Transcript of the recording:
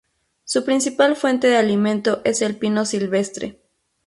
Su principal fuente de alimento es el pino silvestre.